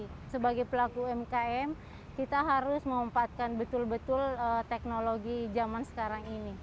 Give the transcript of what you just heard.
jadi sebagai pelaku mkm kita harus memanfaatkan betul betul teknologi zaman sekarang ini